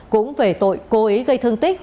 cũng về tội cô ấy gây thương tích